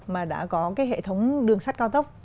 mà đã có cái hệ thống đường sắt cao tốc